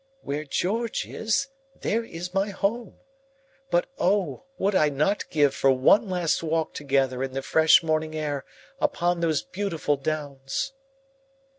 "Where George is, there is my home. But, oh, what would I not give for one last walk together in the fresh morning air upon those beautiful downs!"